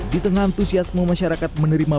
di tengah antusiasme masyarakat menerima